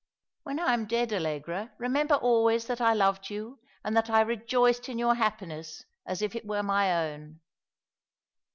"When I am dead, Allegra, remember always that I loved you, and that I rejoiced in your happiness as if it were my own."